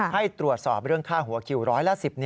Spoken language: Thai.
ให้ตรวจสอบเรื่องค่าหัวคิวร้อยละ๑๐